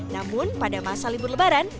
namun pada masa libur lebaran